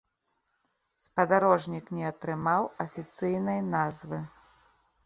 Спадарожнік не атрымаў афіцыйнай назвы.